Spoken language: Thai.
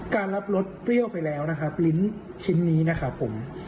การรับรสเปรี้ยวไปแล้วนะครับลิ้นชิ้นนี้นะครับผม